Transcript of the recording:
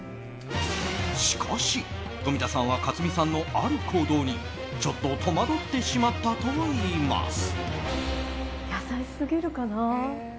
しかし、富田さんは克実さんのある行動にちょっと戸惑ってしまったといいます。